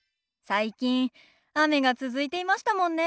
最近雨が続いていましたもんね。